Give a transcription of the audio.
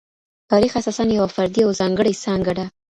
تاریخ اساساً یوه فردي او ځانګړې څانګه ده.